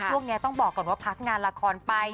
ช่วงนี้ต้องบอกก่อนว่าพักงานละครไป